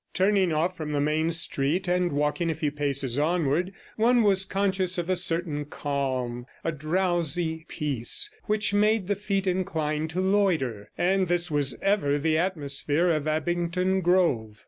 Turning off from the main street, and walking a few paces onward, one was conscious of a certain calm, a drowsy peace, which made the feet inclined to loiter, and this was ever the atmosphere of Abingdon Grove.